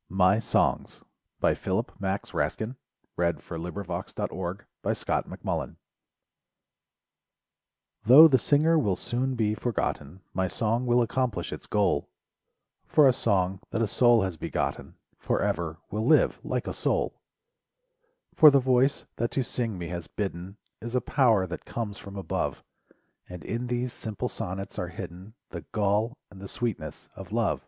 . 166 After the British "Declaration" .. 167 Homeward .••••. 168 xi My Songs Though the singer will soon be forgotten, My song will accomplish its goal, For a song that a soul has begotten. Forever will live like a soul. For the voice that to sing me has bidden Is a power that comes from above. And in these simple sonnets are hidden The gall and the sweetness of love.